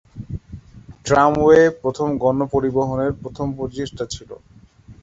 Tramway প্রথম গণ পরিবহনের প্রথম প্রচেষ্টা ছিল।